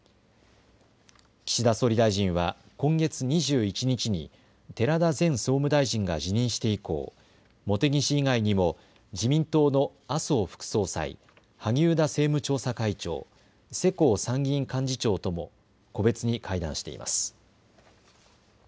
岸田総理大臣は今月２１日に寺田前総務大臣が辞任して以降、茂木氏以外にも自民党の麻生副総裁、萩生田政務調査会長、世耕参議院幹事長とも個別に会談しています。